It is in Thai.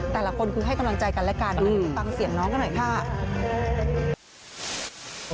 แต่ละคนคือให้กำลังใจกันและกันฟังเสียงน้องกันหน่อยค่ะ